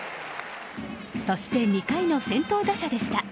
そして２回の先頭打者でした。